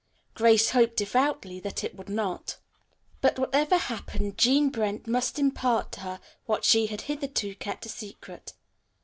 Grace hoped devoutly that it would not. But whatever happened Jean Brent must impart to her what she had hitherto kept a secret.